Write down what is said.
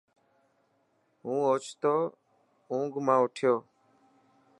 هون اوڇتو اونگ منا اٺيو.